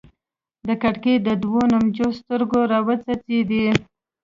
د کړکۍ تر دوو نمجنو ستوګو راوڅڅيدې